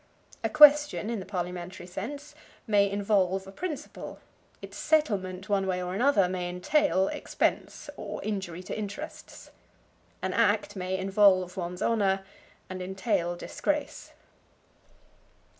A question, in the parliamentary sense, may involve a principle; its settlement one way or another may entail expense, or injury to interests. An act may involve one's honor and entail disgrace.